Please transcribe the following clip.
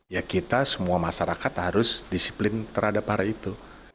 ya kita semua masyarakat harus disiplin terhadap hari itu